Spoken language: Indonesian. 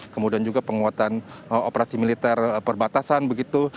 kemudian juga penguatan operasi militer perbatasan begitu